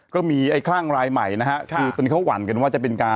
ก็มีไอ้คลั่งรายใหม่นะฮะคือตอนนี้เขาหวั่นกันว่าจะเป็นการ